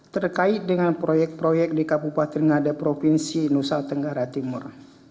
terkait dengan proyek proyek di kabupaten ngada provinsi nusa tenggara timur